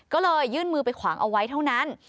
ก็เลยยื่นมือไปขวางเอาไว้เท่านั้น